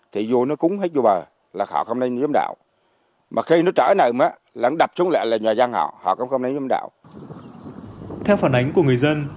theo phản ánh của người dân